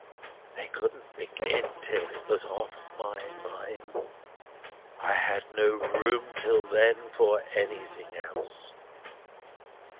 They couldn't begin till it was off my mind. I had no room till then for anything else."